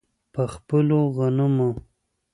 په خپلو غنمو.